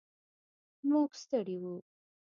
موږ ستړي و.